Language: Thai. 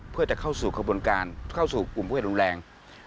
เพื่อจะเข้าสู่ขบวนการเข้าสู่กลุ่มผู้เห็นรุนแรง